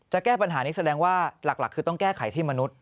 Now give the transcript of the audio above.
แก้ปัญหานี้แสดงว่าหลักคือต้องแก้ไขที่มนุษย